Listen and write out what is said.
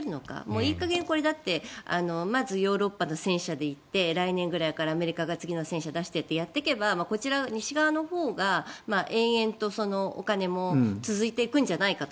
いい加減にこれまずヨーロッパの戦車で行って来年ぐらいからアメリカが次の戦車を出していってとやっていけばこちら、西側のほうが延々とお金も続いていくんじゃないかと。